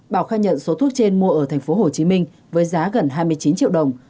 bảo khai nhận số thuốc trên mua ở tp hồ chí minh với giá gần hai mươi chín triệu đồng